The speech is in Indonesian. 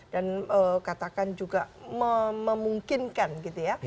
katakan juga memungkinkan gitu ya